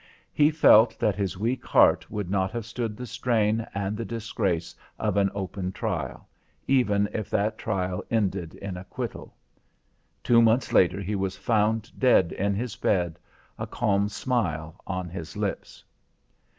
He felt that his weak heart would not have stood the strain and the disgrace of an open trial, even if that trial ended in acquittal. Two months later he was found dead in his bed, a calm smile on his lips.